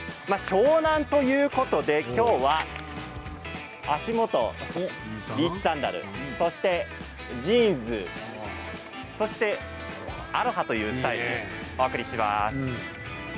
湘南ということで、きょうは足元、ビーチサンダルそしてジーンズそして、アロハというスタイルでお送りします。